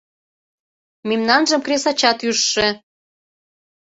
— Мемнанжым кресачат ӱжшӧ.